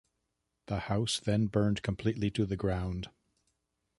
The house then burned completely to the ground.